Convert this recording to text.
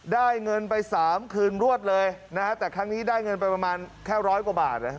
ได้เงินไปสามคืนรวดเลยนะฮะแต่ครั้งนี้ได้เงินไปประมาณแค่ร้อยกว่าบาทนะ